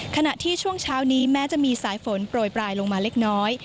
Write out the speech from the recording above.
ขณะที่ช่วงเช้านี้แม้จะมีสายฝนโปรยปลายลงมาเล็กน้อย